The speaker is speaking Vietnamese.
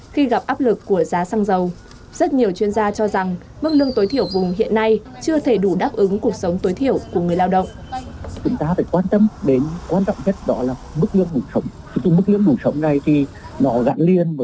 khi gặp áp lực của người lao động người lao động sẽ gặp khó khăn hơn